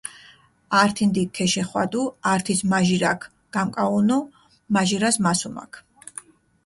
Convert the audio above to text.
ართი ნდიქ ქეშეხვადუ, ართის მაჟირაქ გამკაჸუნუ, მაჟირას მასუმაქ.